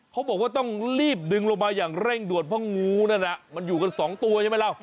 เขาบอกว่าต้องรีบดึงลงมาอย่างเร่งด่วนเพราะงูนั่นน่ะมันอยู่กันสองตัวใช่ไหมล่ะ